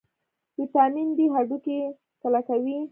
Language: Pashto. ویټامین ډي هډوکي کلکوي